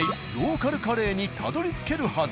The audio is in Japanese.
―カルカレ―にたどりつけるはず！